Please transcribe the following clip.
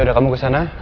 yaudah kamu ke sana